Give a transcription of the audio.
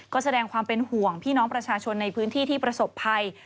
ก็แสดงความเป็นห่วงพี่น้องประชาชนในพื้นที่ที่ประสบภัย